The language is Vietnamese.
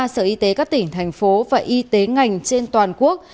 sáu mươi ba sở y tế các tỉnh thành phố và y tế ngành trên toàn quốc